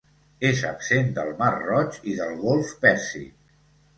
És absent del mar Roig i del Golf Pèrsic.